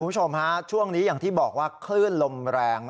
คุณผู้ชมฮะช่วงนี้อย่างที่บอกว่าคลื่นลมแรง